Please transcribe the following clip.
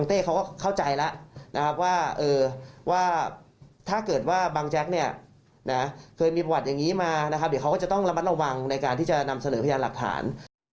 เดี๋ยวเขาก็จะต้องระมัดระวังในการที่จะนำเสนอพยานหลักฐาน